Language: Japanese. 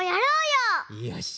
よし。